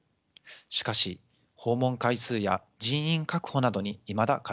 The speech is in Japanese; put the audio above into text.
しかし訪問回数や人員確保などにいまだ課題があります。